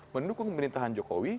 mendukung pemerintahan jokowi